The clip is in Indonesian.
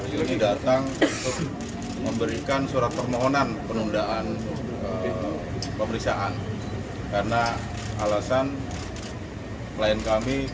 ini datang untuk memberikan surat permohonan penundaan pemeriksaan karena alasan klien kami